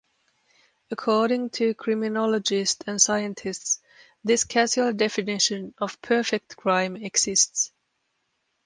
According to criminologists and scientists, this casual definition of perfect crime exists.